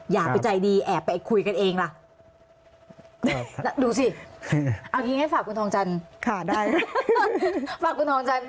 อย่าเพิ่งใจดี